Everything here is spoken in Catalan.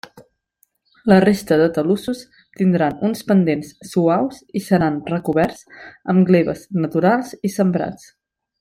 La resta de talussos tindran uns pendents suaus i seran recoberts amb gleves naturals i sembrats.